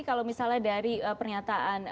kalau misalnya dari pernyataan